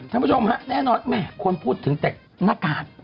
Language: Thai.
ท่านผู้ชมครับแน่นอนควรพูดถึงแต่หน้ากาก